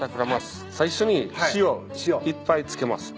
最初に塩いっぱい付けます。